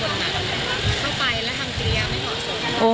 เข้าไปแล้วทำจริงอย่างไม่เหมาะสอง